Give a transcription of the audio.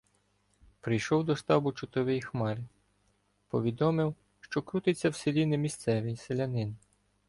Прийшов до штабу чотовий Хмари — повідомив, що крутиться в селі не- місцевий селянин.